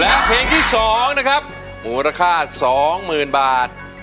แล้วเพลงที่สองนะครับมูลค่าสองหมื่นบาท